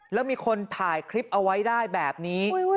แล้วมีคนถ่ายคลิปเอาไว้ได้แบบนี้